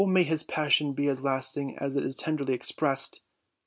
May his passion be as lasting as it is tenderly expressed!"